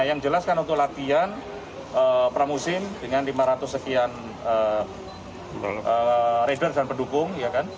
yang jelas kan untuk latihan pramusim dengan lima ratus sekian rider dan pendukung